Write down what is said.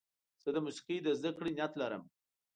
زه د موسیقۍ د زدهکړې نیت لرم.